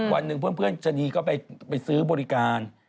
วันหนึ่งเพื่อนชะนีก็ไปซื้อบริการ